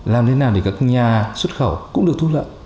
làm thế nào để các nhà xuất khẩu cũng được thu lợi